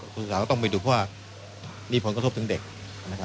คุณสาวต้องไปดูเพราะว่ามีผลกระทบถึงเด็ก